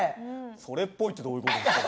「それっぽい」ってどういう事？